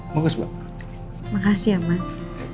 makasih ya mas